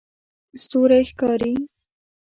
ستوری ښکاري